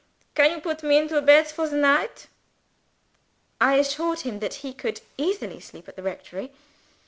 Can you put me into a beds for the night?" I assured him that he could easily sleep at the rectory.